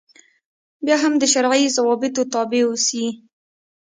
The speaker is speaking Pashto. بیا هم د شرعي ضوابطو تابع اوسي.